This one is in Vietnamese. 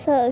có có sợ